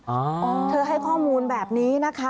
เธอให้ข้อมูลแบบนี้นะคะ